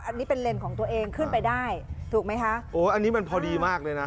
อันนี้เป็นเลนส์ของตัวเองขึ้นไปได้ถูกไหมคะโอ้อันนี้มันพอดีมากเลยนะ